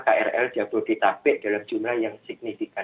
krl jatuh di tape dalam jumlah yang signifikan